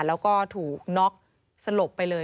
แล้วก็ถูกน็อกสลบไปเลย